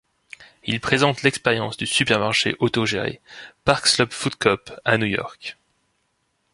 Il présente l'expérience du supermarché autogéré Park Slope Food Coop à New York.